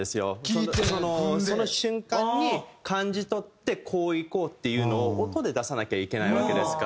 その瞬間に感じ取ってこういこうっていうのを音で出さなきゃいけないわけですから。